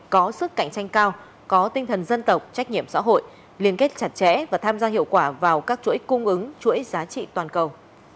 có sức cạnh tranh cao có tinh thần dân tộc trách nhiệm xã hội liên kết chặt chẽ và tham gia hiệu quả vào các chuỗi cung ứng chuỗi giá trị toàn cầu